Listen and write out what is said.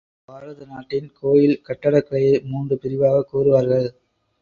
பாரத நாட்டின் கோயில் கட்டிடக் கலையை மூன்று பிரிவாகக் கூறுவார்கள.